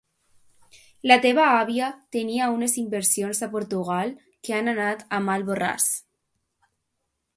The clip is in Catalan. La teva àvia tenia unes inversions a Portugal que han anat a mal borràs.